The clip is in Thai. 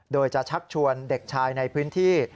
โดยจะชักชวนเด็กชายในพื้นที่